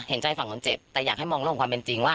เห็นใจฝั่งคนเจ็บแต่อยากให้มองเรื่องของความเป็นจริงว่า